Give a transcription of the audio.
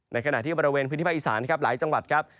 ในขณะที่บริเวณพื้นที่ภาคอีสานครับหลายจังหวัดครับ